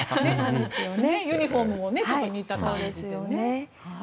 ユニホームも似た感じで。